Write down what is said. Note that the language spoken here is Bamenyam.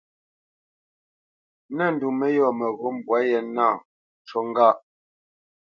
Nə̂t ndu mə́yɔ̂ mə́ghó mbwâ ye nâ, ncu ŋgâʼ.